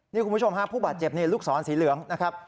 นี่คุณผู้ชมฮะผู้บาดเจ็บนี่ลูกศรสีเหลืองนะครับ